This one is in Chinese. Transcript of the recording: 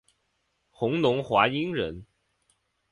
弘农华阴人。